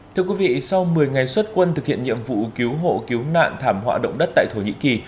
thưa quý vị sau một mươi ngày xuất quân thực hiện nhiệm vụ cứu hộ cứu nạn thảm họa động đất tại thổ nhĩ kỳ